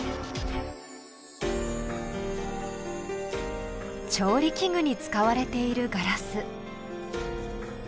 調理器具に使われているガラス。